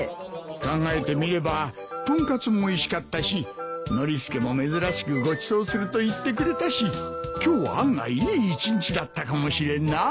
考えてみれば豚カツもおいしかったしノリスケも珍しくごちそうすると言ってくれたし今日は案外いい一日だったかもしれんな。